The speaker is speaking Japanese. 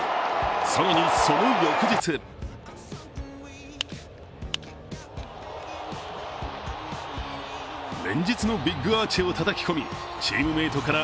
更に、その翌日連日のビッグアーチをたたき込み、チームメートから